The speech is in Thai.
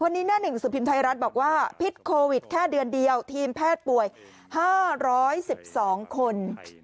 วันนี้หน้าหนึ่งสือพิมพ์ไทยรัฐบอกว่าพิษโควิดแค่เดือนเดียวทีมแพทย์ป่วย๕๑๒คน